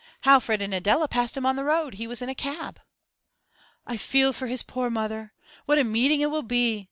'Alfred and Adela passed him on the road. He was in a cab.' 'I feel for his poor mother. What a meeting it will be!